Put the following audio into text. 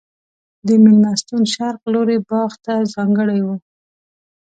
د مېلمستون شرق لوری باغ ته ځانګړی و.